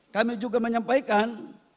kami juga menyampaikan